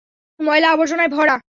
ময়লা আবর্জনায় ভরা।